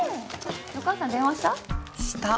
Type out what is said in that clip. お母さんに電話した？